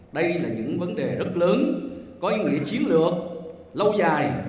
đây là những vấn đề rất lớn có ý nghĩa chiến lược lâu dài